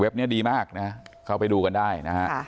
เว็บเนี้ยดีมากนะฮะเข้าไปดูกันได้นะฮะค่ะ